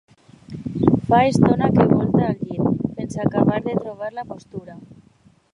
Fa estona que volta al llit, sense acabar de trobar la postura.